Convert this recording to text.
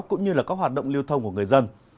cũng như là các hoạt động lưu thông của người dân